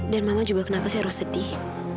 dan kenapa mama harus sedih